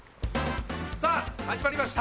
さぁ始まりました。